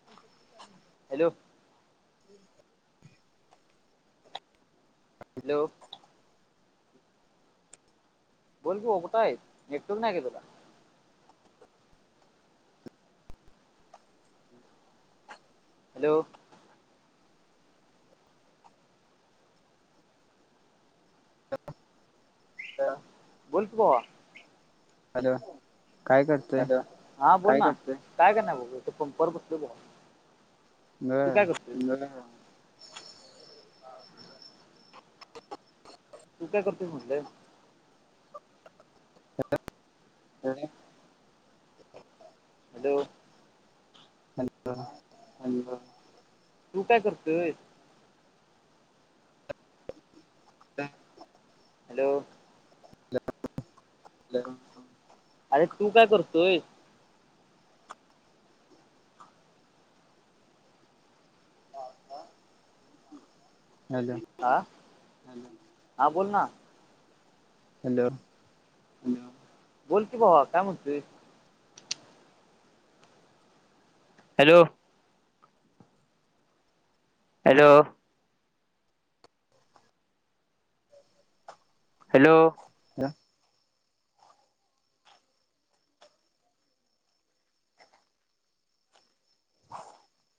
[inaudible] Hello, ल्यो. बोल की ओ कुटं आहे? एकटून नाही गेलेला. हॅलो. अ बोल कि बवा. हॅलो, काय करतोय हॅलो, हा बोल ना काय करणार बाबू बंपर फुटलेली आहे. बर तू काय करतो? तू काय करतोसं म्हटलं? हो [unintelligible] ह. हॅलो. ह [unintelligible] हॅलो, तू काय करतयं? हॅलो. हॅलो. अरे तू काय करतोय? हॅलो. आ हां बोल ना. हॅलो. बोल कि बावा काय म्हनतॊय? हॅलो. हॅलो. हॅलो. ह.